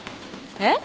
えっ？